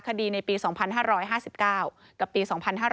คดีในปี๒๕๕๙กับปี๒๕๕๙